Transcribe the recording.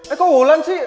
eh kok wulan sih